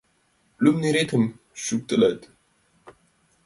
Лӱмнеретым шӱктылат